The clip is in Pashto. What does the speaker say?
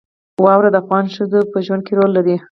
واوره د افغان ښځو په ژوند کې رول لري.